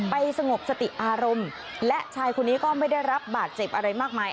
สงบสติอารมณ์และชายคนนี้ก็ไม่ได้รับบาดเจ็บอะไรมากมาย